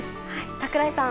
櫻井さん。